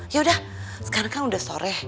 ya udah sekarang kan udah sore